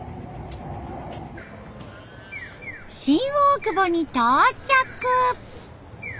新大久保に到着。